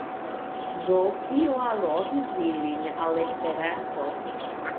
Do kio allogis ilin al Esperanto?